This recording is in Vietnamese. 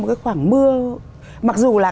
một cái khoảng mưa mặc dù là